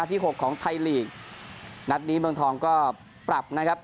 นัดที่๖ของไทยลีกนัดนี้เมืองทองก็ปรับ